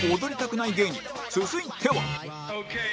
続いては